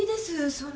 そんな。